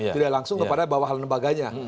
tidak langsung kepada bawah hal lembaganya